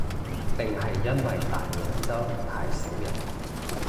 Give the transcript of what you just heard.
定係因為大洋洲太少人